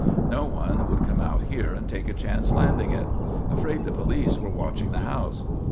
No one would come out here and take a chance landing it. Afraid the police were watching the house.